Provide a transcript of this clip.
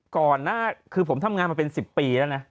ก่อนหน้าคือผมทำงานมาเป็น๑๐ปีแล้วนะ